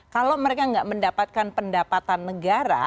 kalau mereka tidak mendapatkan pendapatan negara